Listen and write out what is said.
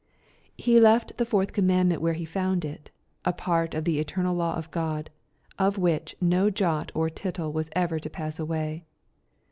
He left the fourth commandment where he found it, a part of the eternal law of God, of which no jot or tittle was ever to pass away.